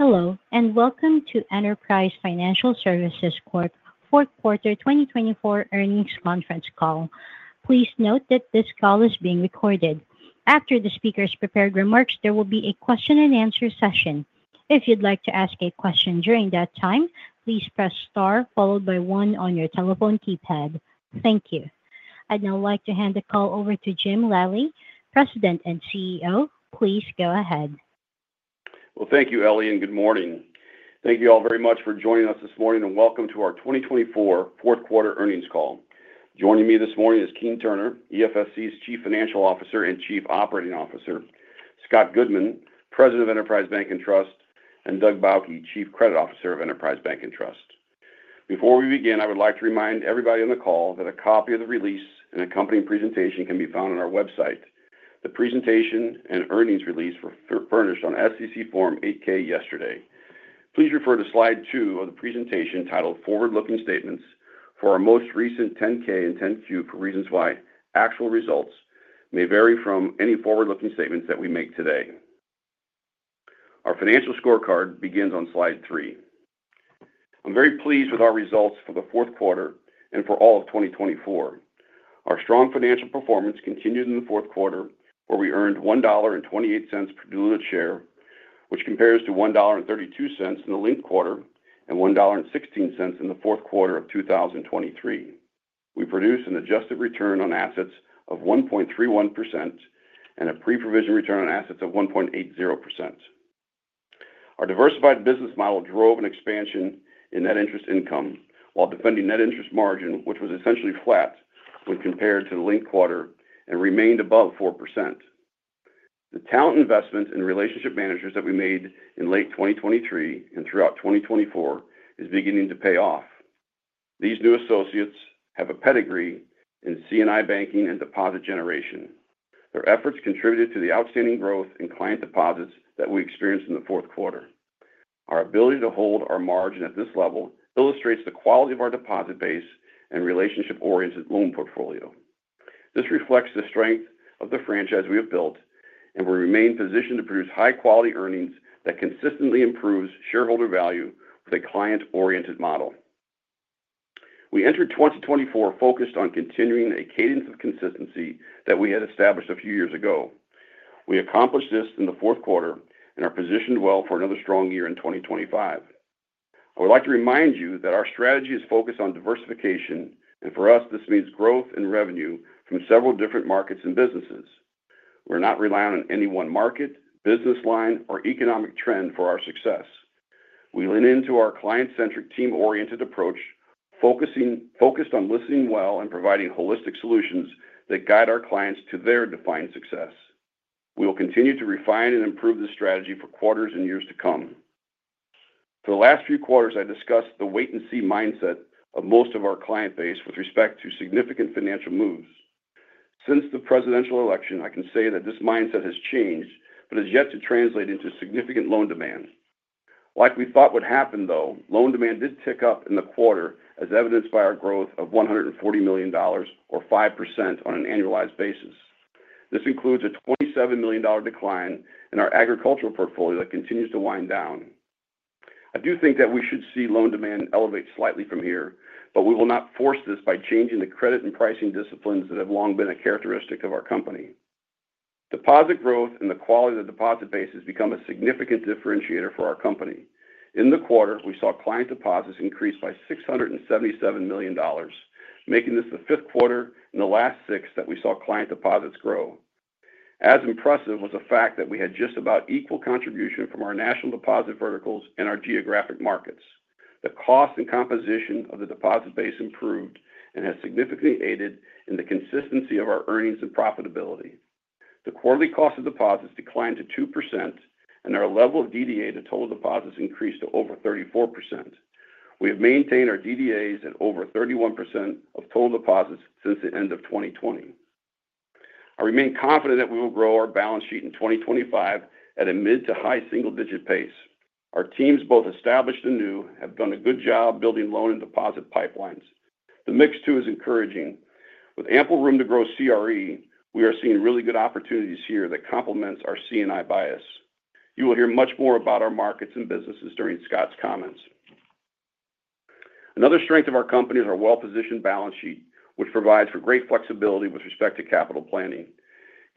Hello, and welcome to Enterprise Financial Services Corp's Fourth Quarter 2024 Earnings Conference Call. Please note that this call is being recorded. After the speaker's prepared remarks, there will be a question-and-answer session. If you'd like to ask a question during that time, please press star followed by one on your telephone keypad. Thank you. I'd now like to hand the call over to Jim Lally, President and CEO. Please go ahead. Thank you, Ellie, and good morning. Thank you all very much for joining us this morning, and welcome to our 2024 Fourth Quarter earnings call. Joining me this morning is Keene Turner, EFSC's Chief Financial Officer and Chief Operating Officer, Scott Goodman, President of Enterprise Bank & Trust, and Doug Bauche, Chief Credit Officer of Enterprise Bank & Trust. Before we begin, I would like to remind everybody on the call that a copy of the release and accompanying presentation can be found on our website. The presentation and earnings release were furnished on SEC Form 8-K yesterday. Please refer to slide 2 of the presentation titled "Forward-Looking Statements" for our most recent 10-K and 10-Q for reasons why actual results may vary from any forward-looking statements that we make today. Our financial scorecard begins on slide 3. I'm very pleased with our results for the fourth quarter and for all of 2024. Our strong financial performance continued in the fourth quarter, where we earned $1.28 per diluted share, which compares to $1.32 in the linked quarter and $1.16 in the fourth quarter of 2023. We produced an adjusted return on assets of 1.31% and a pre-provision return on assets of 1.80%. Our diversified business model drove an expansion in net interest income while defending net interest margin, which was essentially flat when compared to the linked quarter and remained above 4%. The talent investment in relationship managers that we made in late 2023 and throughout 2024 is beginning to pay off. These new associates have a pedigree in C&I banking and deposit generation. Their efforts contributed to the outstanding growth in client deposits that we experienced in the fourth quarter. Our ability to hold our margin at this level illustrates the quality of our deposit base and relationship-oriented loan portfolio. This reflects the strength of the franchise we have built, and we remain positioned to produce high-quality earnings that consistently improve shareholder value with a client-oriented model. We entered 2024 focused on continuing a cadence of consistency that we had established a few years ago. We accomplished this in the fourth quarter and are positioned well for another strong year in 2025. I would like to remind you that our strategy is focused on diversification, and for us, this means growth in revenue from several different markets and businesses. We're not relying on any one market, business line, or economic trend for our success. We lean into our client-centric, team-oriented approach, focused on listening well and providing holistic solutions that guide our clients to their defined success. We will continue to refine and improve this strategy for quarters and years to come. For the last few quarters, I discussed the wait-and-see mindset of most of our client base with respect to significant financial moves. Since the presidential election, I can say that this mindset has changed but has yet to translate into significant loan demand. Like we thought would happen, though, loan demand did tick up in the quarter, as evidenced by our growth of $140 million, or 5% on an annualized basis. This includes a $27 million decline in our agricultural portfolio that continues to wind down. I do think that we should see loan demand elevate slightly from here, but we will not force this by changing the credit and pricing disciplines that have long been a characteristic of our company. Deposit growth and the quality of the deposit base has become a significant differentiator for our company. In the quarter, we saw client deposits increase by $677 million, making this the fifth quarter in the last six that we saw client deposits grow. As impressive was the fact that we had just about equal contribution from our national deposit verticals and our geographic markets. The cost and composition of the deposit base improved and has significantly aided in the consistency of our earnings and profitability. The quarterly cost of deposits declined to 2%, and our level of DDA to total deposits increased to over 34%. We have maintained our DDAs at over 31% of total deposits since the end of 2020. I remain confident that we will grow our balance sheet in 2025 at a mid to high single-digit pace. Our teams, both established and new, have done a good job building loan and deposit pipelines. The mix too is encouraging. With ample room to grow CRE, we are seeing really good opportunities here that complement our C&I bias. You will hear much more about our markets and businesses during Scott's comments. Another strength of our company is our well-positioned balance sheet, which provides for great flexibility with respect to capital planning.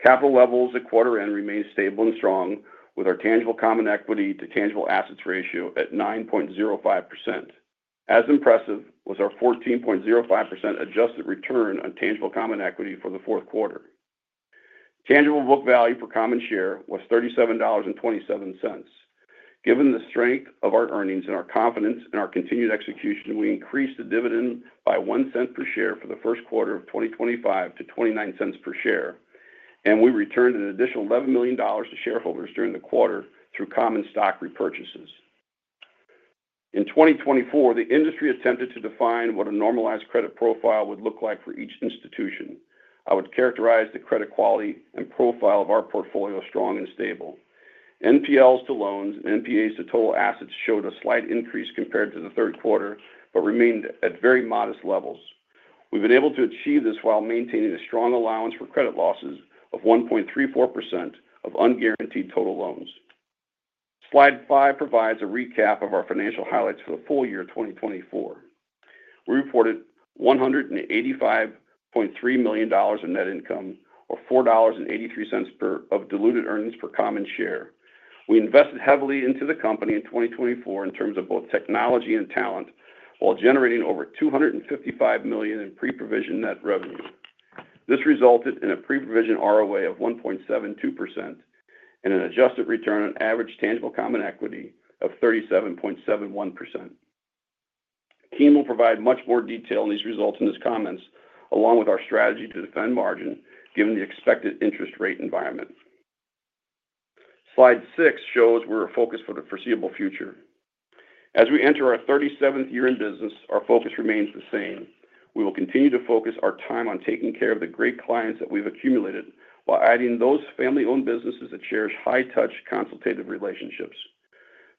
Capital levels at quarter end remained stable and strong, with our tangible common equity to tangible assets ratio at 9.05%. As impressive was our 14.05% adjusted return on tangible common equity for the fourth quarter. Tangible book value per common share was $37.27. Given the strength of our earnings and our confidence in our continued execution, we increased the dividend by $0.01 per share for the first quarter of 2025 to $0.29 per share, and we returned an additional $11 million to shareholders during the quarter through common stock repurchases. In 2024, the industry attempted to define what a normalized credit profile would look like for each institution. I would characterize the credit quality and profile of our portfolio as strong and stable. NPLs to loans and NPAs to total assets showed a slight increase compared to the third quarter but remained at very modest levels. We've been able to achieve this while maintaining a strong allowance for credit losses of 1.34% of unguaranteed total loans. Slide 5 provides a recap of our financial highlights for the full year of 2024. We reported $185.3 million in net income, or $4.83 per diluted share. We invested heavily into the company in 2024 in terms of both technology and talent, while generating over $255 million in pre-provision net revenue. This resulted in a pre-provision ROA of 1.72% and an adjusted return on average tangible common equity of 37.71%. Keene will provide much more detail on these results in his comments, along with our strategy to defend margin given the expected interest rate environment. Slide 6 shows where our focus for the foreseeable future. As we enter our 37th year in business, our focus remains the same. We will continue to focus our time on taking care of the great clients that we've accumulated while adding those family-owned businesses that cherish high-touch consultative relationships.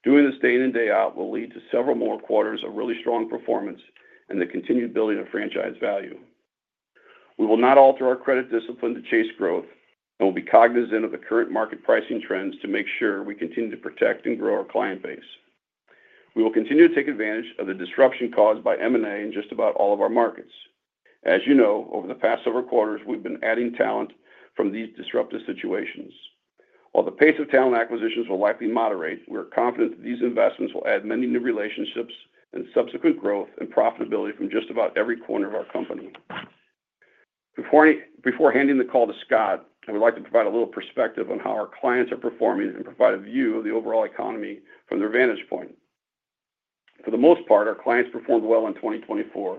Doing this day in and day out will lead to several more quarters of really strong performance and the continued building of franchise value. We will not alter our credit discipline to chase growth and will be cognizant of the current market pricing trends to make sure we continue to protect and grow our client base. We will continue to take advantage of the disruption caused by M&A in just about all of our markets. As you know, over the past several quarters, we've been adding talent from these disruptive situations. While the pace of talent acquisitions will likely moderate, we are confident that these investments will add many new relationships and subsequent growth and profitability from just about every corner of our company. Before handing the call to Scott, I would like to provide a little perspective on how our clients are performing and provide a view of the overall economy from their vantage point. For the most part, our clients performed well in 2024.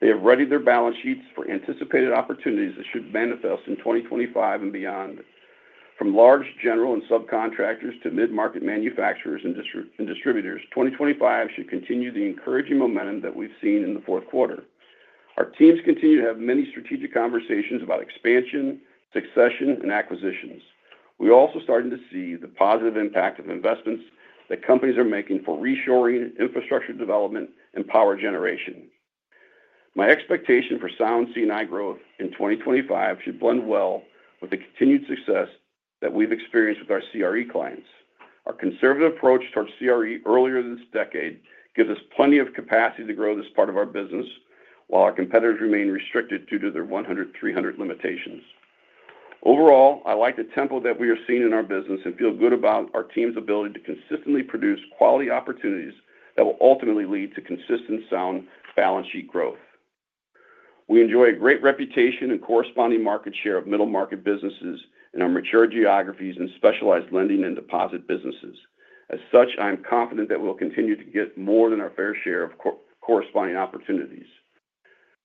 They have readied their balance sheets for anticipated opportunities that should manifest in 2025 and beyond. From large general and subcontractors to mid-market manufacturers and distributors, 2025 should continue the encouraging momentum that we've seen in the fourth quarter. Our teams continue to have many strategic conversations about expansion, succession, and acquisitions. We are also starting to see the positive impact of investments that companies are making for reshoring, infrastructure development, and power generation. My expectation for sound C&I growth in 2025 should blend well with the continued success that we've experienced with our CRE clients. Our conservative approach towards CRE earlier this decade gives us plenty of capacity to grow this part of our business, while our competitors remain restricted due to their 100/300 limitations. Overall, I like the tempo that we are seeing in our business and feel good about our team's ability to consistently produce quality opportunities that will ultimately lead to consistent, sound balance sheet growth. We enjoy a great reputation and corresponding market share of middle market businesses in our mature geographies and specialized lending and deposit businesses. As such, I am confident that we'll continue to get more than our fair share of corresponding opportunities.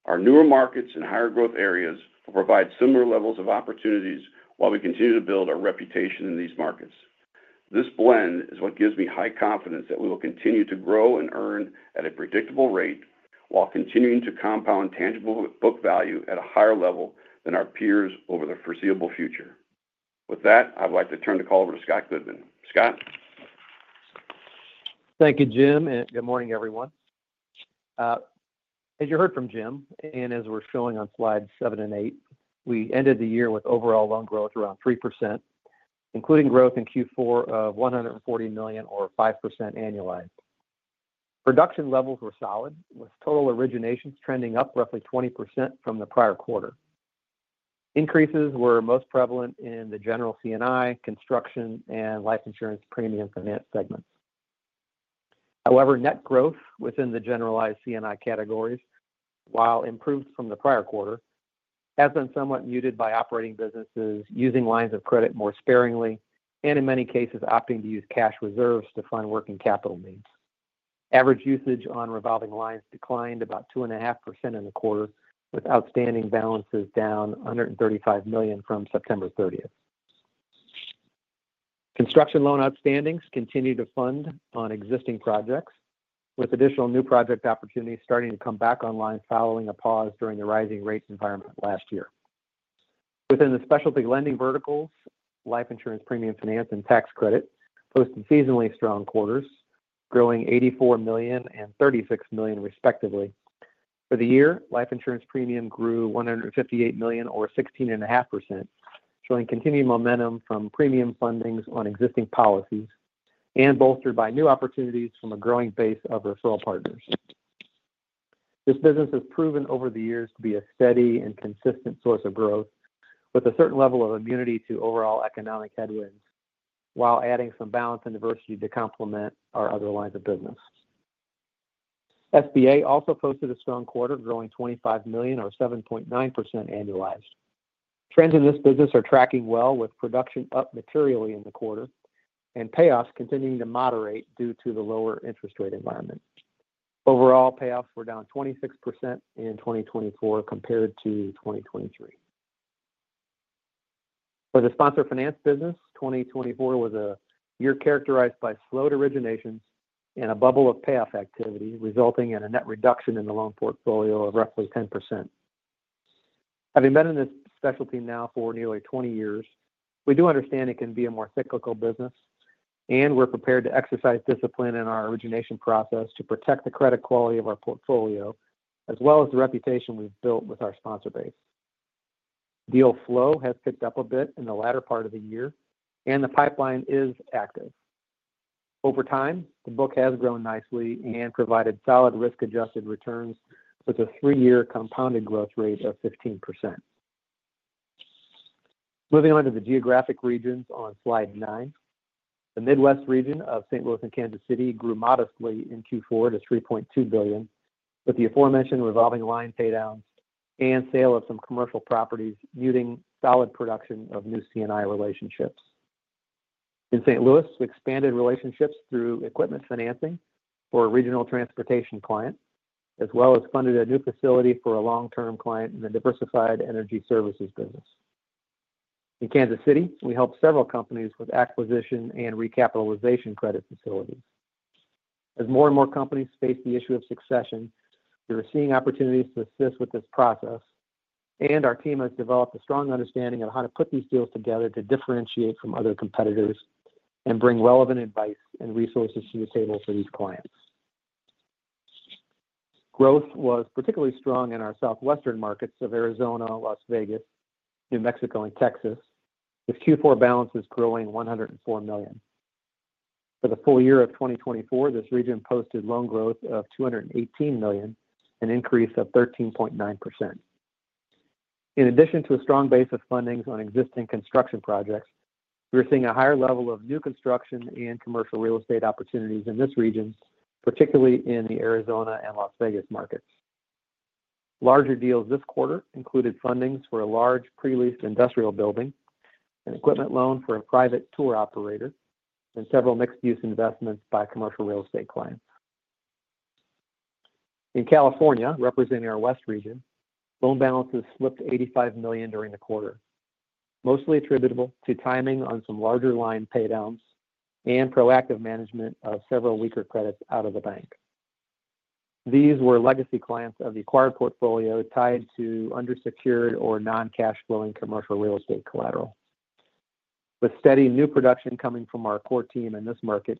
Our newer markets and higher growth areas will provide similar levels of opportunities while we continue to build our reputation in these markets. This blend is what gives me high confidence that we will continue to grow and earn at a predictable rate while continuing to compound tangible book value at a higher level than our peers over the foreseeable future. With that, I would like to turn the call over to Scott Goodman. Scott. Thank you, Jim, and good morning, everyone. As you heard from Jim, and as we're showing on slides 7 and 8, we ended the year with overall loan growth around 3%, including growth in Q4 of $140 million, or 5% annualized. Production levels were solid, with total originations trending up roughly 20% from the prior quarter. Increases were most prevalent in the general C&I, construction, and life insurance premium finance segments. However, net growth within the generalized C&I categories, while improved from the prior quarter, has been somewhat muted by operating businesses using lines of credit more sparingly and, in many cases, opting to use cash reserves to fund working capital needs. Average usage on revolving lines declined about 2.5% in the quarter, with outstanding balances down $135 million from September 30th. Construction loan outstandings continue to fund on existing projects, with additional new project opportunities starting to come back online following a pause during the rising rates environment last year. Within the specialty lending verticals, life insurance premium finance and tax credit posted seasonally strong quarters, growing $84 million and $36 million, respectively. For the year, life insurance premium grew $158 million, or 16.5%, showing continued momentum from premium fundings on existing policies and bolstered by new opportunities from a growing base of referral partners. This business has proven over the years to be a steady and consistent source of growth, with a certain level of immunity to overall economic headwinds, while adding some balance and diversity to complement our other lines of business. SBA also posted a strong quarter, growing $25 million, or 7.9% annualized. Trends in this business are tracking well, with production up materially in the quarter and payoffs continuing to moderate due to the lower interest rate environment. Overall, payoffs were down 26% in 2024 compared to 2023. For the sponsor finance business, 2024 was a year characterized by slowed originations and a bubble of payoff activity, resulting in a net reduction in the loan portfolio of roughly 10%. Having been in this specialty now for nearly 20 years, we do understand it can be a more cyclical business, and we're prepared to exercise discipline in our origination process to protect the credit quality of our portfolio, as well as the reputation we've built with our sponsor base. Deal flow has picked up a bit in the latter part of the year, and the pipeline is active. Over time, the book has grown nicely and provided solid risk-adjusted returns, with a three-year compounded growth rate of 15%. Moving on to the geographic regions on slide 9, the Midwest region of St. Louis and Kansas City grew modestly in Q4 to $3.2 billion, with the aforementioned revolving line paydowns and sale of some commercial properties muting solid production of new C&I relationships. In St. Louis, we expanded relationships through equipment financing for a regional transportation client, as well as funded a new facility for a long-term client in the diversified energy services business. In Kansas City, we helped several companies with acquisition and recapitalization credit facilities. As more and more companies face the issue of succession, we were seeing opportunities to assist with this process, and our team has developed a strong understanding of how to put these deals together to differentiate from other competitors and bring relevant advice and resources to the table for these clients. Growth was particularly strong in our Southwest markets of Arizona, Las Vegas, New Mexico, and Texas, with Q4 balances growing $104 million. For the full year of 2024, this region posted loan growth of $218 million, an increase of 13.9%. In addition to a strong base of fundings on existing construction projects, we were seeing a higher level of new construction and commercial real estate opportunities in this region, particularly in the Arizona and Las Vegas markets. Larger deals this quarter included fundings for a large pre-leased industrial building, an equipment loan for a private tour operator, and several mixed-use investments by commercial real estate clients. In California, representing our West region, loan balances slipped $85 million during the quarter, mostly attributable to timing on some larger line paydowns and proactive management of several weaker credits out of the bank. These were legacy clients of the acquired portfolio tied to undersecured or non-cash-flowing commercial real estate collateral. With steady new production coming from our core team in this market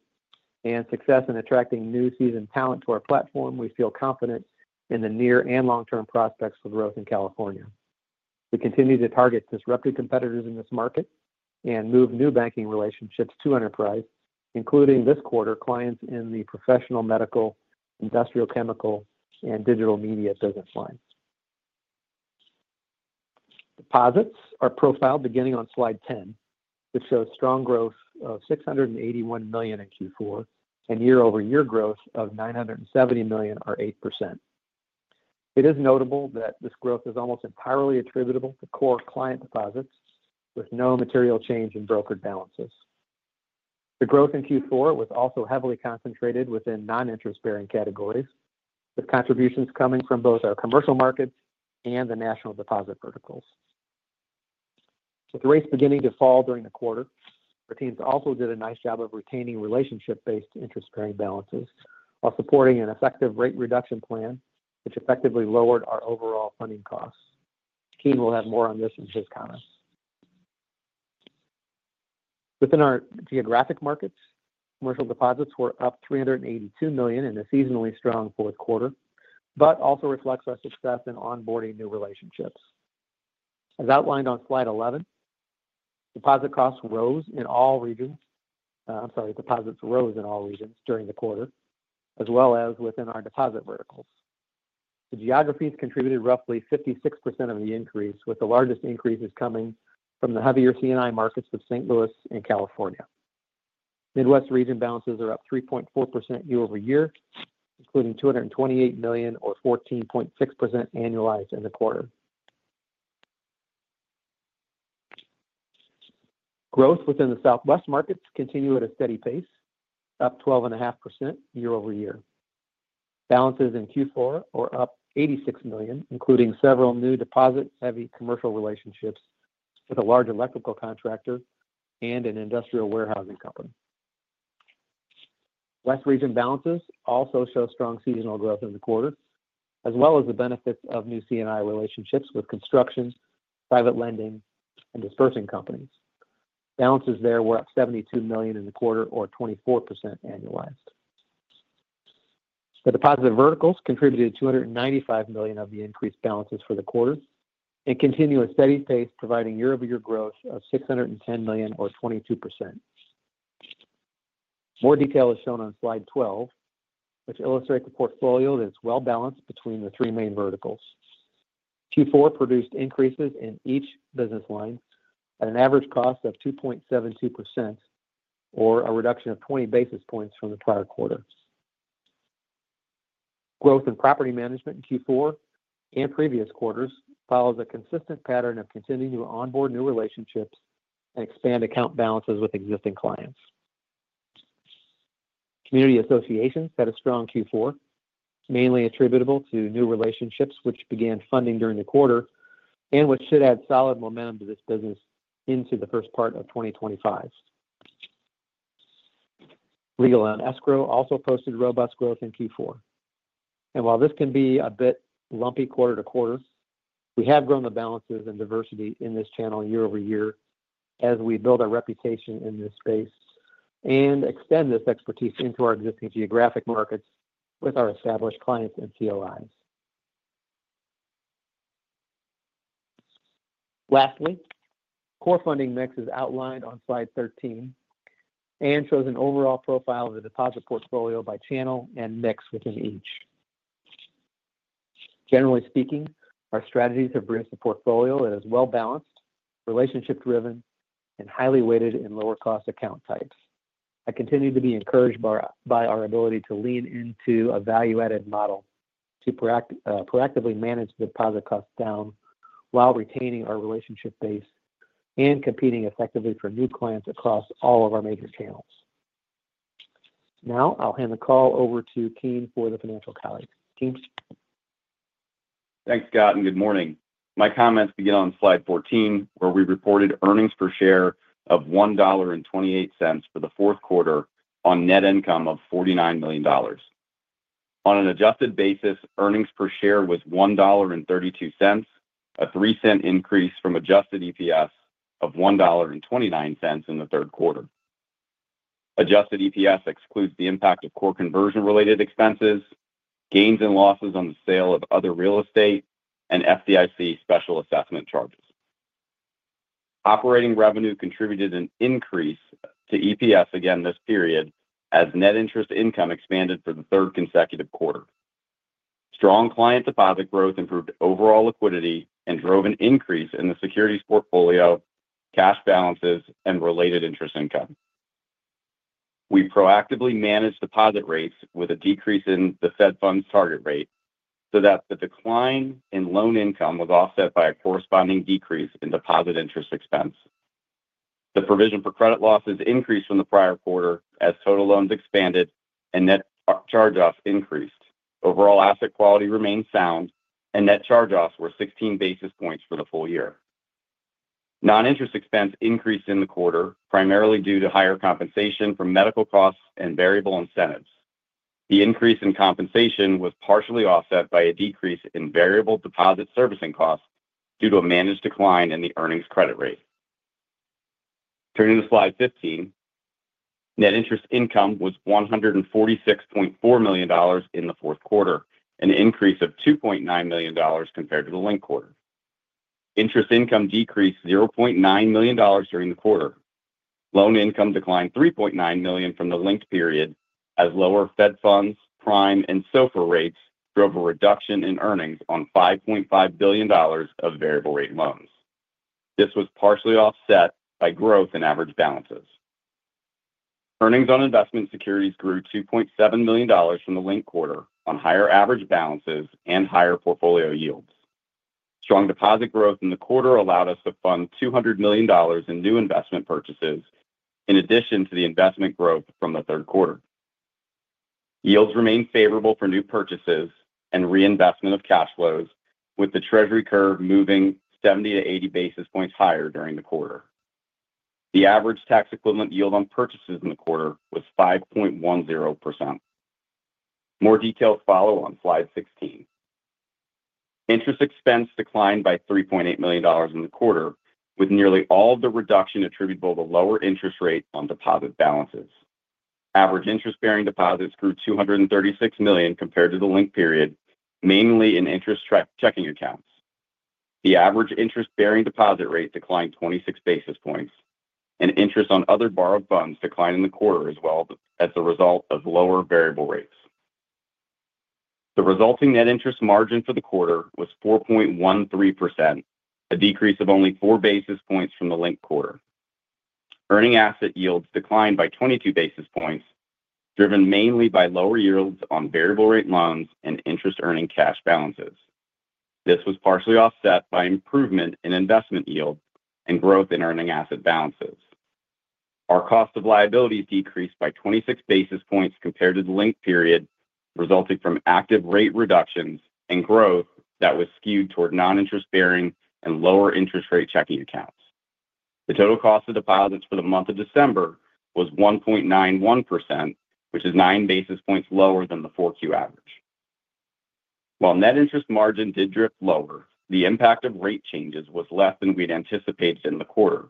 and success in attracting new seasoned talent to our platform, we feel confident in the near and long-term prospects for growth in California. We continue to target disruptive competitors in this market and move new banking relationships to Enterprise, including this quarter clients in the professional medical, industrial chemical, and digital media business lines. Deposits are profiled beginning on slide 10, which shows strong growth of $681 million in Q4 and year-over-year growth of $970 million, or 8%. It is notable that this growth is almost entirely attributable to core client deposits, with no material change in brokered balances. The growth in Q4 was also heavily concentrated within non-interest-bearing categories, with contributions coming from both our commercial markets and the national deposit verticals. With rates beginning to fall during the quarter, our teams also did a nice job of retaining relationship-based interest-bearing balances while supporting an effective rate reduction plan, which effectively lowered our overall funding costs. Keene will have more on this in his comments. Within our geographic markets, commercial deposits were up $382 million in a seasonally strong fourth quarter, but also reflects our success in onboarding new relationships. As outlined on slide 11, deposit costs rose in all regions. I'm sorry, deposits rose in all regions during the quarter, as well as within our deposit verticals. The geographies contributed roughly 56% of the increase, with the largest increases coming from the heavier C&I markets of St. Louis and California. Midwest region balances are up 3.4% year-over-year, including $228 million, or 14.6% annualized in the quarter. Growth within the Southwest markets continued at a steady pace, up 12.5% year-over-year. Balances in Q4 were up $86 million, including several new deposit-heavy commercial relationships with a large electrical contractor and an industrial warehousing company. West region balances also show strong seasonal growth in the quarter, as well as the benefits of new C&I relationships with construction, private lending, and disbursing companies. Balances there were up $72 million in the quarter, or 24% annualized. The deposit verticals contributed $295 million of the increased balances for the quarter and continue at a steady pace, providing year-over-year growth of $610 million, or 22%. More detail is shown on slide 12, which illustrates the portfolio that is well-balanced between the three main verticals. Q4 produced increases in each business line at an average cost of 2.72%, or a reduction of 20 basis points from the prior quarter. Growth in property management in Q4 and previous quarters follows a consistent pattern of continuing to onboard new relationships and expand account balances with existing clients. Community associations had a strong Q4, mainly attributable to new relationships which began funding during the quarter and which should add solid momentum to this business into the first part of 2025. Legal and escrow also posted robust growth in Q4. And while this can be a bit lumpy quarter to quarter, we have grown the balances and diversity in this channel year-over-year as we build our reputation in this space and extend this expertise into our existing geographic markets with our established clients and POIs. Lastly, core funding mix is outlined on slide 13 and shows an overall profile of the deposit portfolio by channel and mix within each. Generally speaking, our strategies have bridged a portfolio that is well-balanced, relationship-driven, and highly weighted in lower-cost account types. I continue to be encouraged by our ability to lean into a value-added model to proactively manage the deposit costs down while retaining our relationship base and competing effectively for new clients across all of our major channels. Now, I'll hand the call over to Keene for the financials. Keene? Thanks, Scott, and good morning. My comments begin on slide 14, where we reported earnings per share of $1.28 for the fourth quarter on net income of $49 million. On an adjusted basis, earnings per share was $1.32, a $0.03 increase from adjusted EPS of $1.29 in the third quarter. Adjusted EPS excludes the impact of core conversion-related expenses, gains and losses on the sale of other real estate, and FDIC special assessment charges. Operating revenue contributed an increase to EPS again this period as net interest income expanded for the third consecutive quarter. Strong client deposit growth improved overall liquidity and drove an increase in the securities portfolio, cash balances, and related interest income. We proactively managed deposit rates with a decrease in the Fed Funds target rate so that the decline in loan income was offset by a corresponding decrease in deposit interest expense. The provision for credit losses increased from the prior quarter as total loans expanded and net charge-offs increased. Overall asset quality remained sound, and net charge-offs were 16 basis points for the full year. Non-interest expense increased in the quarter, primarily due to higher compensation from medical costs and variable incentives. The increase in compensation was partially offset by a decrease in variable deposit servicing costs due to a managed decline in the earnings credit rate. Turning to slide 15, net interest income was $146.4 million in the fourth quarter, an increase of $2.9 million compared to the linked quarter. Interest income decreased $0.9 million during the quarter. Loan income declined $3.9 million from the linked period as lower Fed Funds, Prime, and SOFR rates drove a reduction in earnings on $5.5 billion of variable rate loans. This was partially offset by growth in average balances. Earnings on investment securities grew $2.7 million from the linked quarter on higher average balances and higher portfolio yields. Strong deposit growth in the quarter allowed us to fund $200 million in new investment purchases, in addition to the investment growth from the third quarter. Yields remained favorable for new purchases and reinvestment of cash flows, with the treasury curve moving 70 to 80 basis points higher during the quarter. The average tax equivalent yield on purchases in the quarter was 5.10%. More details follow on slide 16. Interest expense declined by $3.8 million in the quarter, with nearly all of the reduction attributable to lower interest rates on deposit balances. Average interest-bearing deposits grew $236 million compared to the linked period, mainly in interest checking accounts. The average interest-bearing deposit rate declined 26 basis points, and interest on other borrowed funds declined in the quarter as a result of lower variable rates. The resulting net interest margin for the quarter was 4.13%, a decrease of only 4 basis points from the linked quarter. Earning asset yields declined by 22 basis points, driven mainly by lower yields on variable rate loans and interest-earning cash balances. This was partially offset by improvement in investment yield and growth in earning asset balances. Our cost of liabilities decreased by 26 basis points compared to the linked period, resulting from active rate reductions and growth that was skewed toward non-interest-bearing and lower interest rate checking accounts. The total cost of deposits for the month of December was 1.91%, which is 9 basis points lower than the 4Q average. While net interest margin did drift lower, the impact of rate changes was less than we'd anticipated in the quarter.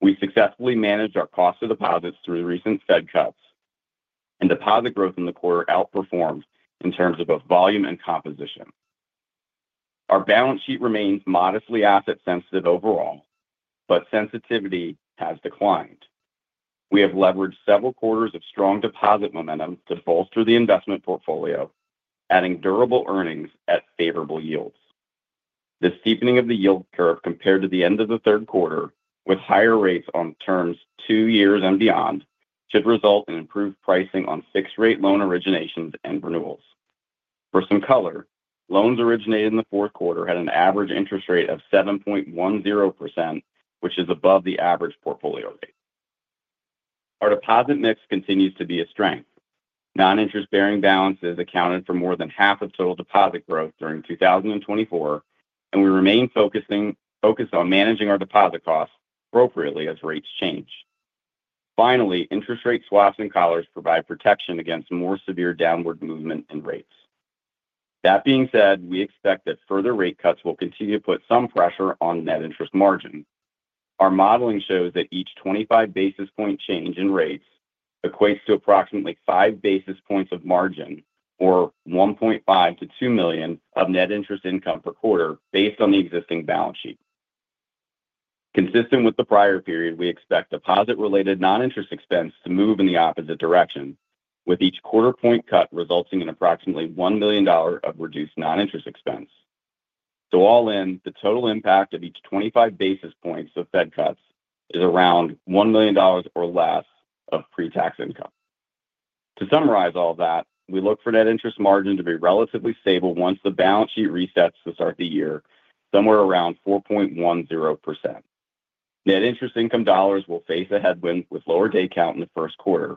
We successfully managed our cost of deposits through recent Fed cuts, and deposit growth in the quarter outperformed in terms of both volume and composition. Our balance sheet remains modestly asset-sensitive overall, but sensitivity has declined. We have leveraged several quarters of strong deposit momentum to bolster the investment portfolio, adding durable earnings at favorable yields. The steepening of the yield curve compared to the end of the third quarter, with higher rates on terms two years and beyond, should result in improved pricing on fixed-rate loan originations and renewals. For some color, loans originated in the fourth quarter had an average interest rate of 7.10%, which is above the average portfolio rate. Our deposit mix continues to be a strength. Non-interest-bearing balances accounted for more than half of total deposit growth during 2024, and we remain focused on managing our deposit costs appropriately as rates change. Finally, interest rate swaps and collars provide protection against more severe downward movement in rates. That being said, we expect that further rate cuts will continue to put some pressure on net interest margin. Our modeling shows that each 25 basis point change in rates equates to approximately 5 basis points of margin, or $1.5 million-$2 million of net interest income per quarter based on the existing balance sheet. Consistent with the prior period, we expect deposit-related non-interest expense to move in the opposite direction, with each quarter point cut resulting in approximately $1 million of reduced non-interest expense. So all in, the total impact of each 25 basis points of Fed cuts is around $1 million or less of pre-tax income. To summarize all that, we look for net interest margin to be relatively stable once the balance sheet resets to start the year, somewhere around 4.10%. Net interest income dollars will face a headwind with lower day count in the first quarter,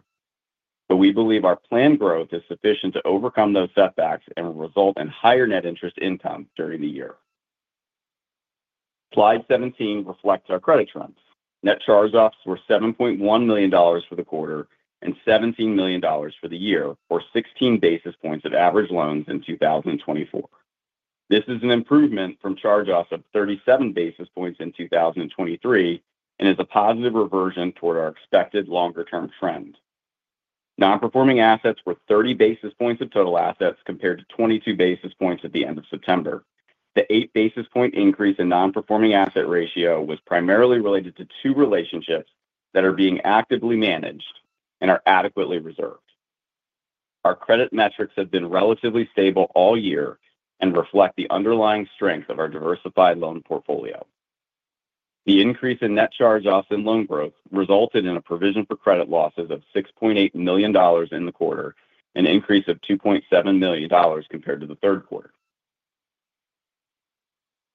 but we believe our planned growth is sufficient to overcome those setbacks and result in higher net interest income during the year. Slide 17 reflects our credit trends. Net charge-offs were $7.1 million for the quarter and $17 million for the year, or 16 basis points of average loans in 2024. This is an improvement from charge-offs of 37 basis points in 2023 and is a positive reversion toward our expected longer-term trend. Non-performing assets were 30 basis points of total assets compared to 22 basis points at the end of September. The eight-basis-point increase in non-performing asset ratio was primarily related to two relationships that are being actively managed and are adequately reserved. Our credit metrics have been relatively stable all year and reflect the underlying strength of our diversified loan portfolio. The increase in net charge-offs in loan growth resulted in a provision for credit losses of $6.8 million in the quarter, an increase of $2.7 million compared to the third quarter.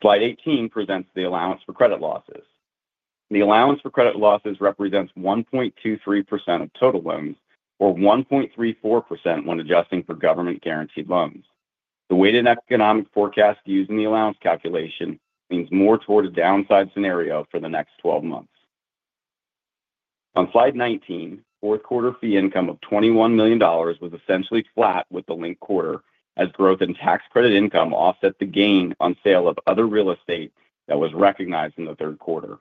Slide 18 presents the allowance for credit losses. The allowance for credit losses represents 1.23% of total loans, or 1.34% when adjusting for government-guaranteed loans. The weighted economic forecast used in the allowance calculation leans more toward a downside scenario for the next 12 months. On slide 19, fourth quarter fee income of $21 million was essentially flat with the linked quarter as growth in tax credit income offset the gain on sale of other real estate that was recognized in the third quarter.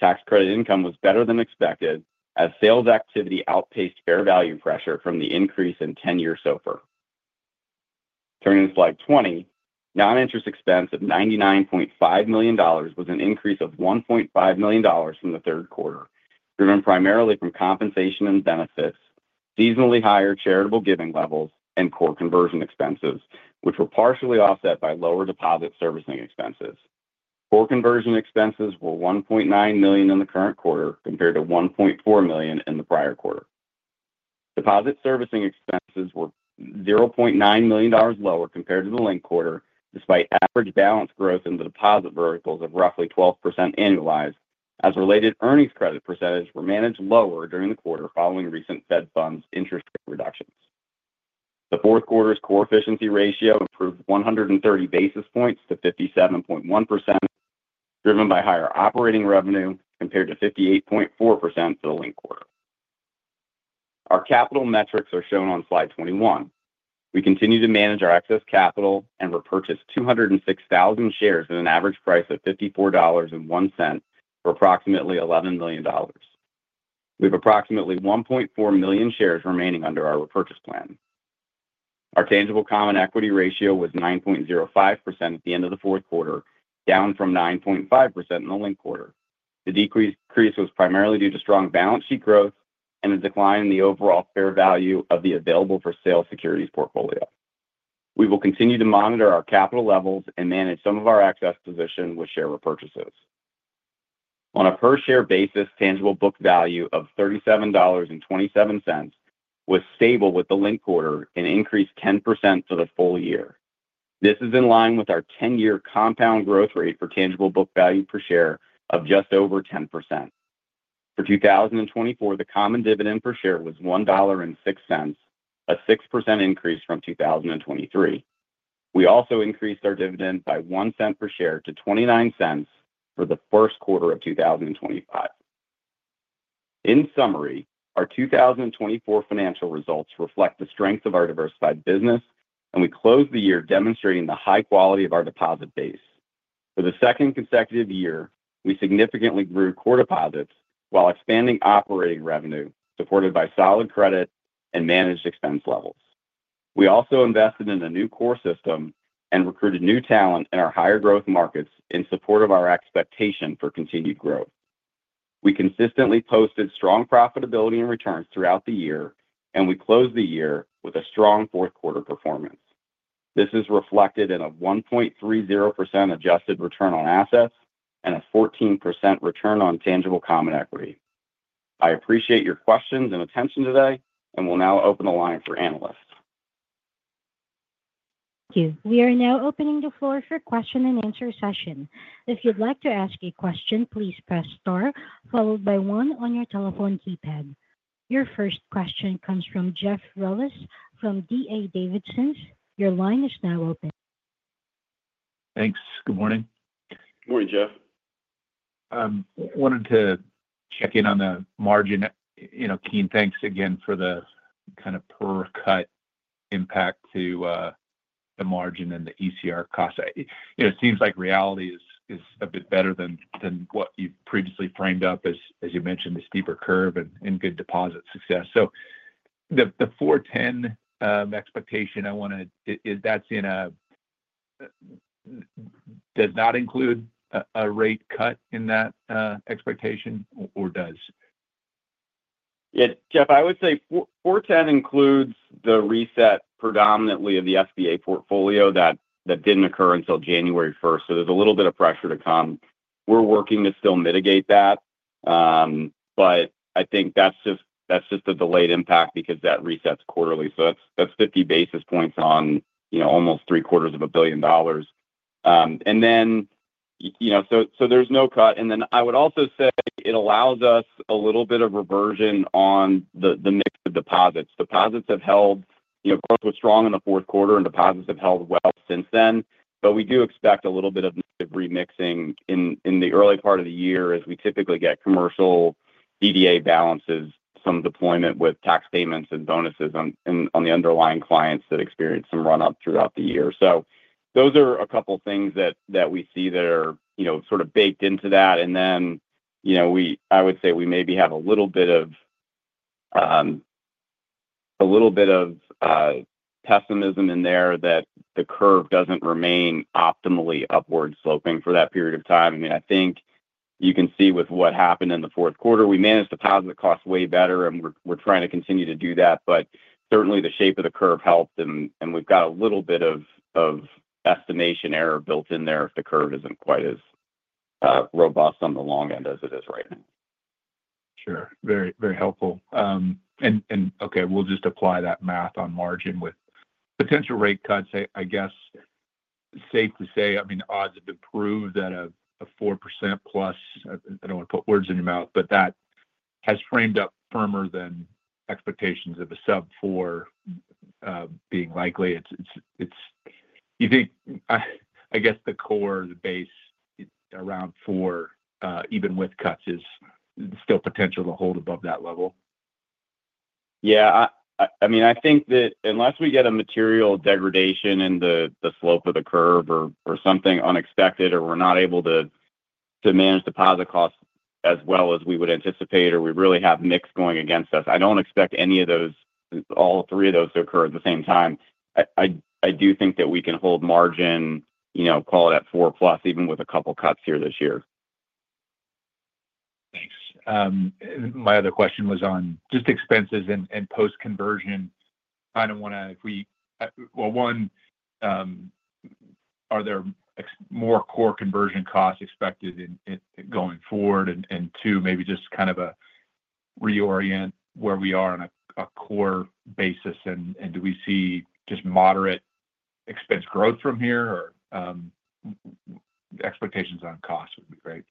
Tax credit income was better than expected as sales activity outpaced fair value pressure from the increase in 10-year SOFR. Turning to slide 20, non-interest expense of $99.5 million was an increase of $1.5 million from the third quarter, driven primarily from compensation and benefits, seasonally higher charitable giving levels, and core conversion expenses, which were partially offset by lower deposit servicing expenses. Core conversion expenses were $1.9 million in the current quarter compared to $1.4 million in the prior quarter. Deposit servicing expenses were $0.9 million lower compared to the linked quarter, despite average balance growth in the deposit verticals of roughly 12% annualized, as related earnings credit percentages were managed lower during the quarter following recent Fed Funds interest rate reductions. The fourth quarter's Core Efficiency Ratio improved 130 basis points to 57.1%, driven by higher operating revenue compared to 58.4% for the linked quarter. Our capital metrics are shown on slide 21. We continue to manage our excess capital and repurchase 206,000 shares at an average price of $54.01 for approximately $11 million. We have approximately 1.4 million shares remaining under our repurchase plan. Our Tangible Common Equity ratio was 9.05% at the end of the fourth quarter, down from 9.5% in the linked quarter. The decrease was primarily due to strong balance sheet growth and a decline in the overall fair value of the available for sale securities portfolio. We will continue to monitor our capital levels and manage some of our excess position with share repurchases. On a per-share basis, tangible book value of $37.27 was stable with the linked quarter and increased 10% for the full year. This is in line with our 10-year compound growth rate for tangible book value per share of just over 10%. For 2024, the common dividend per share was $1.06, a 6% increase from 2023. We also increased our dividend by 1 cent per share to $0.29 for the first quarter of 2025. In summary, our 2024 financial results reflect the strength of our diversified business, and we closed the year demonstrating the high quality of our deposit base. For the second consecutive year, we significantly grew core deposits while expanding operating revenue supported by solid credit and managed expense levels. We also invested in a new core system and recruited new talent in our higher growth markets in support of our expectation for continued growth. We consistently posted strong profitability and returns throughout the year, and we closed the year with a strong fourth quarter performance. This is reflected in a 1.30% adjusted return on assets and a 14% return on tangible common equity. I appreciate your questions and attention today, and we'll now open the line for analysts. Thank you. We are now opening the floor for a question-and-answer session. If you'd like to ask a question, please press star, followed by one on your telephone keypad. Your first question comes from Jeff Rulis from D.A. Davidson. Your line is now open. Thanks. Good morning. Good morning, Jeff. I wanted to check in on the margin. Keene, thanks again for the kind of pre-cut impact to the margin and the ECR cost. It seems like reality is a bit better than what you've previously framed up, as you mentioned, the steeper curve and good deposit success. So the 4.10 expectation, that's in a—does not include a rate cut in that expectation, or does? Yeah, Jeff, I would say 4.10 includes the reset predominantly of the SBA portfolio that didn't occur until January 1st, so there's a little bit of pressure to come. We're working to still mitigate that, but I think that's just a delayed impact because that resets quarterly. So that's 50 basis points on almost $750 million. And then so there's no cut. And then I would also say it allows us a little bit of reversion on the mix of deposits. Deposits have held, of course, we're strong in the fourth quarter, and deposits have held well since then, but we do expect a little bit of remixing in the early part of the year as we typically get commercial DDA balances, some deployment with tax payments and bonuses on the underlying clients that experience some run-up throughout the year. So those are a couple of things that we see that are sort of baked into that. And then I would say we maybe have a little bit of pessimism in there that the curve doesn't remain optimally upward-sloping for that period of time. I mean, I think you can see with what happened in the fourth quarter, we managed deposit costs way better, and we're trying to continue to do that, but certainly the shape of the curve helped, and we've got a little bit of estimation error built in there if the curve isn't quite as robust on the long end as it is right now. Sure. Very, very helpful. And okay, we'll just apply that math on margin with potential rate cuts. I guess safe to say, I mean, odds have improved at a 4% plus. I don't want to put words in your mouth, but that has framed up firmer than expectations of a sub-4% being likely. You think, I guess, the core, the base around 4%, even with cuts, is still potential to hold above that level? Yeah. I mean, I think that unless we get a material degradation in the slope of the curve or something unexpected, or we're not able to manage deposit costs as well as we would anticipate, or we really have mix going against us, I don't expect any of those, all three of those, to occur at the same time. I do think that we can hold margin, call it at 4-plus, even with a couple of cuts here this year. Thanks. My other question was on just expenses and post-conversion. I kind of want to, well, one, are there more core conversion costs expected going forward? And two, maybe just kind of reorient where we are on a core basis, and do we see just moderate expense growth from here? Or expectations on cost would be great.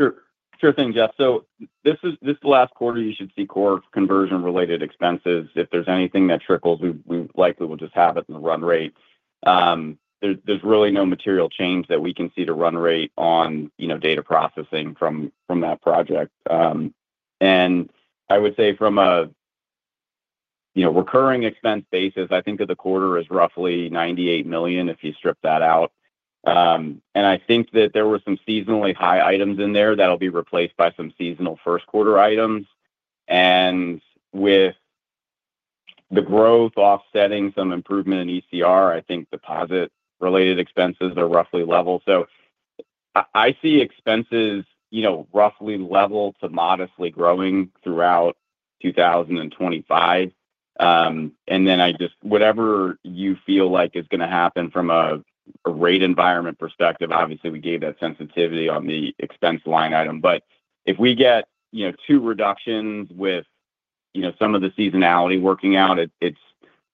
Sure. Sure thing, Jeff. So this is the last quarter you should see core conversion-related expenses. If there's anything that trickles, we likely will just have it in the run rate. There's really no material change that we can see to run rate on data processing from that project. And I would say from a recurring expense basis, I think that the quarter is roughly $98 million if you strip that out. And I think that there were some seasonally high items in there that'll be replaced by some seasonal first quarter items. And with the growth offsetting some improvement in ECR, I think deposit-related expenses are roughly level. So I see expenses roughly level to modestly growing throughout 2025. And then I just, whatever you feel like is going to happen from a rate environment perspective, obviously, we gave that sensitivity on the expense line item. But if we get two reductions with some of the seasonality working out, it's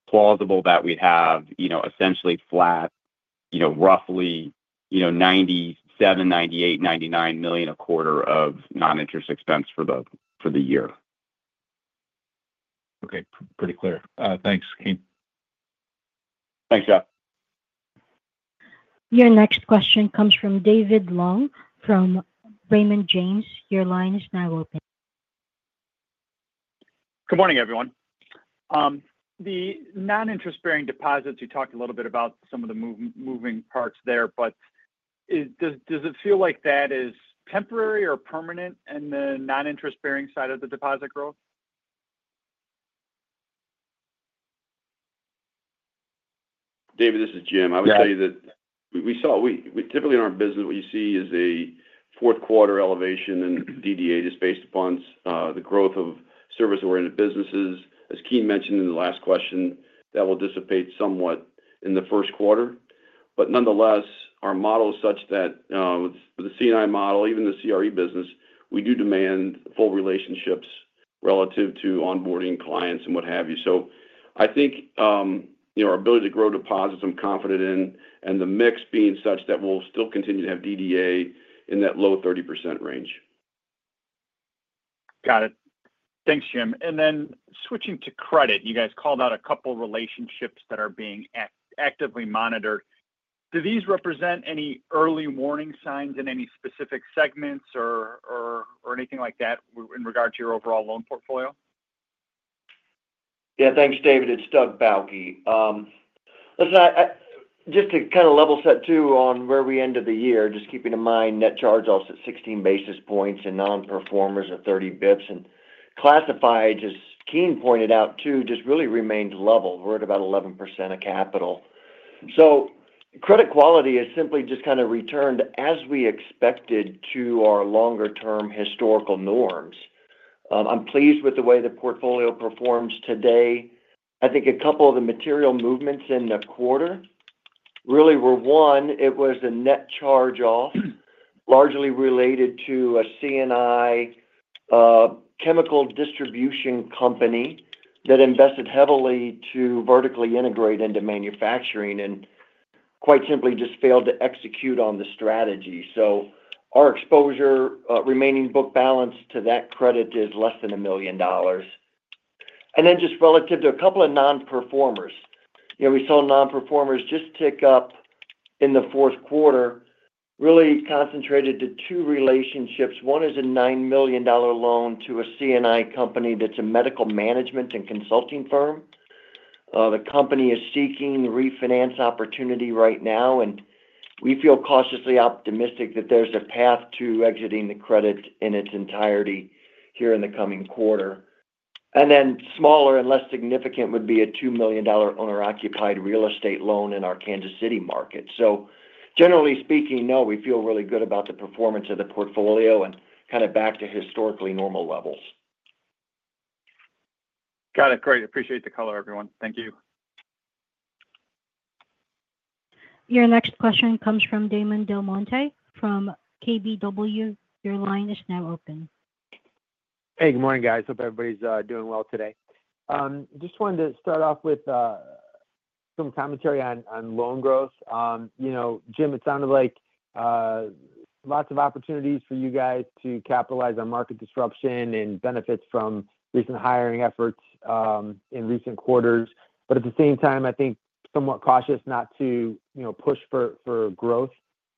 plausible that we'd have essentially flat, roughly $97 million, $98 million, $99 million a quarter of non-interest expense for the year. Okay. Pretty clear. Thanks, Keene. Thanks, Jeff. Your next question comes from David Long from Raymond James. Your line is now open. Good morning, everyone. The non-interest-bearing deposits, you talked a little bit about some of the moving parts there, but does it feel like that is temporary or permanent in the non-interest-bearing side of the deposit growth? David, this is Jim. I would say that we typically in our business, what you see is a fourth quarter elevation in DDA just based upon the growth of service-oriented businesses. As Keene mentioned in the last question, that will dissipate somewhat in the first quarter. But nonetheless, our model is such that with the C&I model, even the CRE business, we do demand full relationships relative to onboarding clients and what have you. So I think our ability to grow deposits, I'm confident in, and the mix being such that we'll still continue to have DDA in that low 30% range. Got it. Thanks, Jim. And then switching to credit, you guys called out a couple of relationships that are being actively monitored. Do these represent any early warning signs in any specific segments or anything like that in regard to your overall loan portfolio? Yeah. Thanks, David. It's Doug Bauche. Listen, just to kind of level set too on where we ended the year, just keeping in mind net charge-offs of 16 basis points and non-performers of 30 basis points. And classified, as Keene pointed out too, just really remained level. We're at about 11% of capital, so credit quality has simply just kind of returned as we expected to our longer-term historical norms. I'm pleased with the way the portfolio performs today. I think a couple of the material movements in the quarter really were one, it was a net charge-off largely related to a C&I chemical distribution company that invested heavily to vertically integrate into manufacturing and quite simply just failed to execute on the strategy. So our exposure remaining book balance to that credit is less than $1 million, and then just relative to a couple of non-performers, we saw non-performers just tick up in the fourth quarter, really concentrated to two relationships. One is a $9 million loan to a C&I company that's a medical management and consulting firm. The company is seeking refinance opportunity right now, and we feel cautiously optimistic that there's a path to exiting the credit in its entirety here in the coming quarter, and then smaller and less significant would be a $2 million owner-occupied real estate loan in our Kansas City market. So generally speaking, no, we feel really good about the performance of the portfolio and kind of back to historically normal levels. Got it. Great. Appreciate the color, everyone. Thank you. Your next question comes from Damon DelMonte from KBW. Your line is now open. Hey, good morning, guys. Hope everybody's doing well today. Just wanted to start off with some commentary on loan growth. Jim, it sounded like lots of opportunities for you guys to capitalize on market disruption and benefits from recent hiring efforts in recent quarters. But at the same time, I think somewhat cautious not to push for growth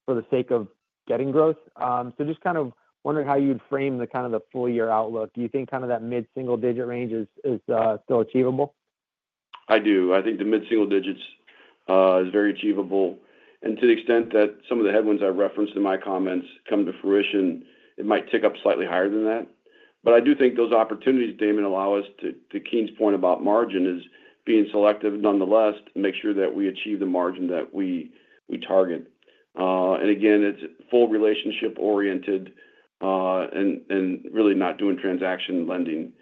for the sake of getting growth. So just kind of wondering how you'd frame kind of the full year outlook. Do you think kind of that mid-single digit range is still achievable? I do. I think the mid-single digits is very achievable. And to the extent that some of the headwinds I referenced in my comments come to fruition, it might tick up slightly higher than that. But I do think those opportunities, Damon, allow us to, Keene's point about margin is being selective nonetheless, make sure that we achieve the margin that we target. And again, it's full relationship-oriented and really not doing transaction lending.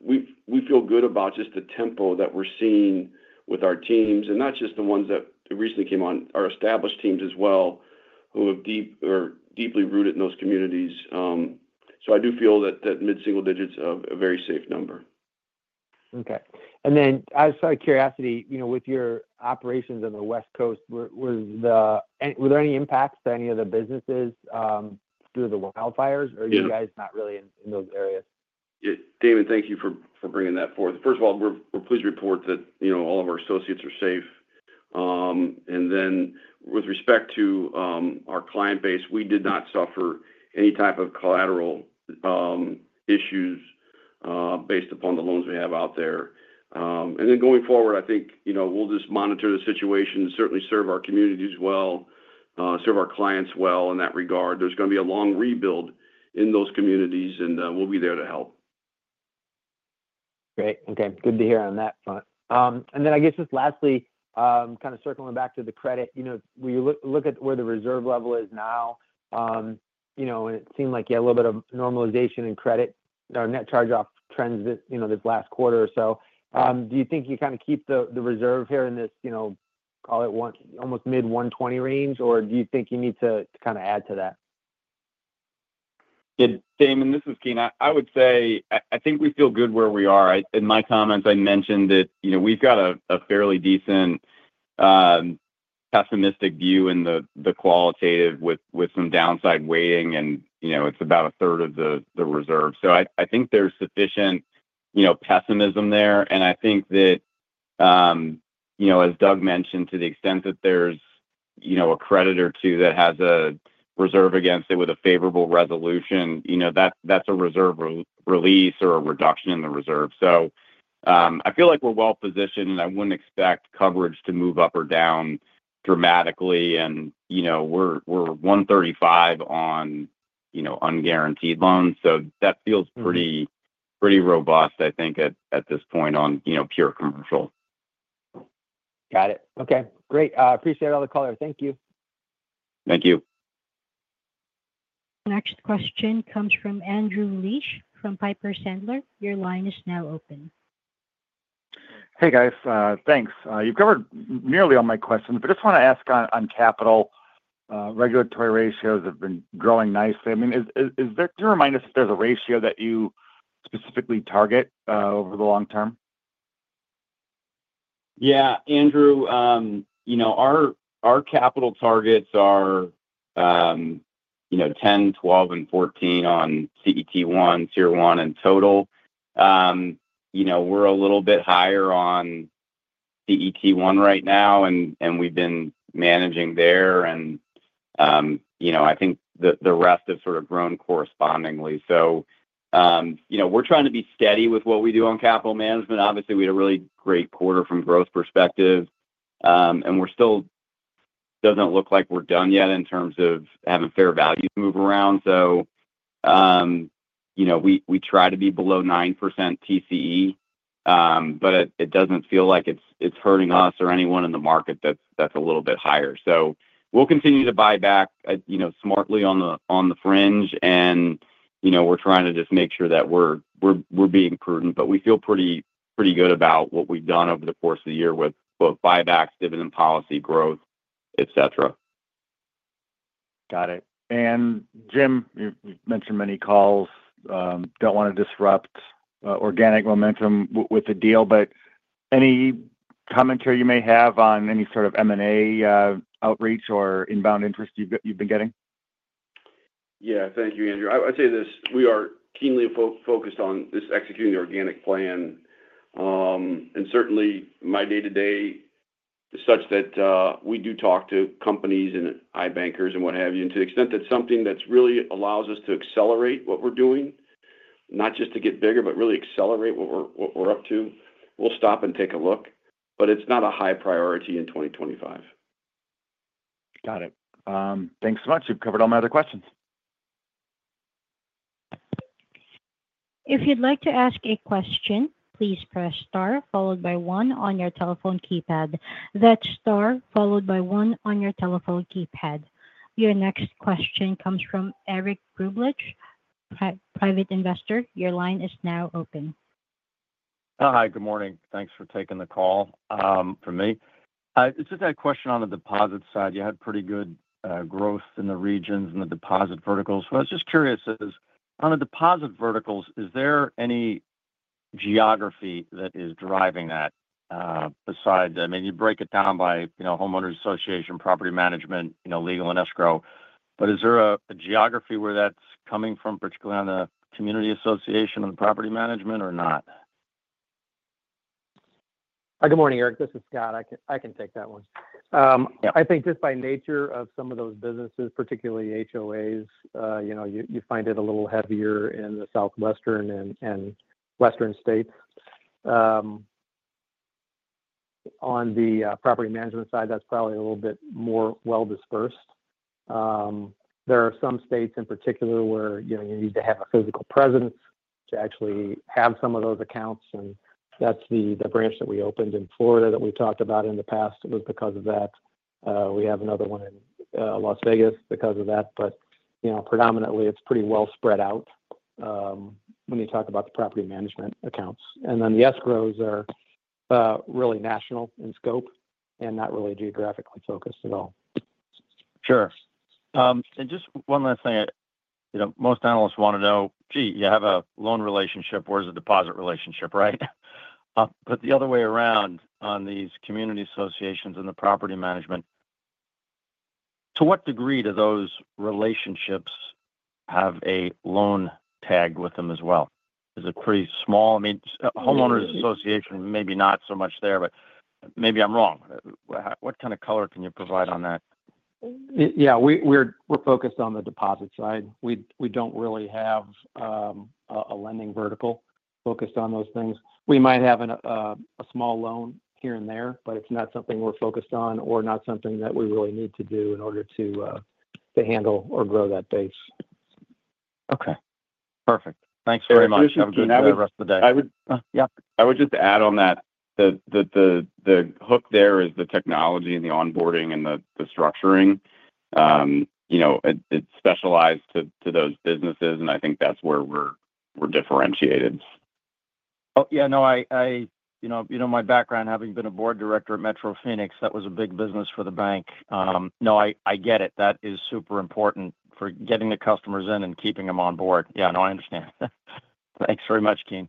We feel good about just the tempo that we're seeing with our teams, and not just the ones that recently came on, our established teams as well, who are deeply rooted in those communities. So I do feel that mid-single digits are a very safe number. Okay. And then outside of curiosity, with your operations on the West Coast, were there any impacts to any of the businesses through the wildfires? Or are you guys not really in those areas? Damon, thank you for bringing that forth. First of all, we're pleased to report that all of our associates are safe. And then with respect to our client base, we did not suffer any type of collateral issues based upon the loans we have out there. And then going forward, I think we'll just monitor the situation, certainly serve our communities well, serve our clients well in that regard. There's going to be a long rebuild in those communities, and we'll be there to help. Great. Okay. Good to hear on that front. And then I guess just lastly, kind of circling back to the credit, we look at where the reserve level is now, and it seemed like you had a little bit of normalization in credit, our net charge-off trends this last quarter or so. Do you think you kind of keep the reserve here in this, call it almost mid-120 range, or do you think you need to kind of add to that? Yeah. Damon, this is Keene. I would say I think we feel good where we are. In my comments, I mentioned that we've got a fairly decent pessimistic view in the qualitative with some downside weighting, and it's about a third of the reserve. So I think there's sufficient pessimism there. And I think that, as Doug mentioned, to the extent that there's a creditor or two that has a reserve against it with a favorable resolution, that's a reserve release or a reduction in the reserve. So I feel like we're well-positioned, and I wouldn't expect coverage to move up or down dramatically. And we're 135 on unguaranteed loans. So that feels pretty robust, I think, at this point on pure commercial. Got it. Okay. Great. Appreciate all the color. Thank you. Thank you. Next question comes from Andrew Liesch from Piper Sandler. Your line is now open. Hey, guys. Thanks. You've covered nearly all my questions, but I just want to ask on capital. Regulatory ratios have been growing nicely. I mean, do you remind us if there's a ratio that you specifically target over the long term? Yeah. Andrew, our capital targets are 10%, 12%, and 14% on CET1, Tier 1, and Total. We're a little bit higher on CET1 right now, and we've been managing there. And I think the rest have sort of grown correspondingly. So we're trying to be steady with what we do on capital management. Obviously, we had a really great quarter from growth perspective. And we're still. Doesn't look like we're done yet in terms of having fair value move around. So we try to be below 9% TCE, but it doesn't feel like it's hurting us or anyone in the market that's a little bit higher. So we'll continue to buy back smartly on the fringe, and we're trying to just make sure that we're being prudent. But we feel pretty good about what we've done over the course of the year with both buybacks, dividend policy, growth, etc. Got it. And Jim, you've mentioned many calls. Don't want to disrupt organic momentum with the deal, but any commentary you may have on any sort of M&A outreach or inbound interest you've been getting? Yeah. Thank you, Andrew. I'd say this. We are keenly focused on just executing the organic plan. And certainly, my day-to-day is such that we do talk to companies and iBankers and what have you. And to the extent that something that really allows us to accelerate what we're doing, not just to get bigger, but really accelerate what we're up to, we'll stop and take a look. But it's not a high priority in 2025. Got it. Thanks so much. You've covered all my other questions. If you'd like to ask a question, please press star followed by one on your telephone keypad. That's star followed by one on your telephone keypad. Your next question comes from Eric Grubelich, private investor. Your line is now open. Hi. Good morning. Thanks for taking the call from me. I just had a question on the deposit side. You had pretty good growth in the regions and the deposit verticals. So I was just curious, on the deposit verticals, is there any geography that is driving that besides, I mean, you break it down by homeowners association, property management, legal, and escrow. But is there a geography where that's coming from, particularly on the community association and the property management, or not? Good morning, Eric. This is Scott. I can take that one. I think just by nature of some of those businesses, particularly HOAs, you find it a little heavier in the southwestern and western states. On the property management side, that's probably a little bit more well-dispersed. There are some states in particular where you need to have a physical presence to actually have some of those accounts. And that's the branch that we opened in Florida that we've talked about in the past. It was because of that. We have another one in Las Vegas because of that. But predominantly, it's pretty well spread out when you talk about the property management accounts. And then the escrows are really national in scope and not really geographically focused at all. Sure. And just one last thing. Most analysts want to know, "Gee, you have a loan relationship. Where's the deposit relationship?" Right? But the other way around, on these community associations and the property management, to what degree do those relationships have a loan tag with them as well? Is it pretty small? I mean, homeowners association, maybe not so much there, but maybe I'm wrong. What kind of color can you provide on that? Yeah. We're focused on the deposit side. We don't really have a lending vertical focused on those things. We might have a small loan here and there, but it's not something we're focused on or not something that we really need to do in order to handle or grow that base. Okay. Perfect. Thanks very much. Have a good rest of the day. Yeah. I would just add on that the hook there is the technology and the onboarding and the structuring. It's specialized to those businesses, and I think that's where we're differentiated. Oh, yeah. No. I, my background, having been a board director at Metro Phoenix, that was a big business for the bank. No, I get it. That is super important for getting the customers in and keeping them on board. Yeah. No, I understand. Thanks very much, Keene.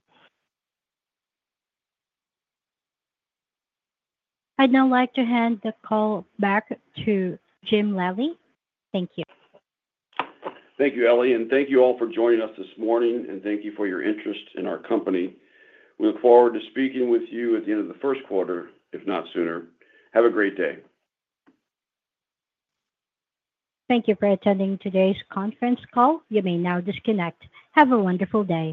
I'd now like to hand the call back to Jim Lally. Thank you. Thank you, Ellie. And thank you all for joining us this morning, and thank you for your interest in our company. We look forward to speaking with you at the end of the first quarter, if not sooner. Have a great day. Thank you for attending today's conference call. You may now disconnect. Have a wonderful day.